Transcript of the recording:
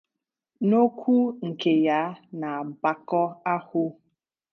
N'okwu nke ya n'ọgbakọ ahụ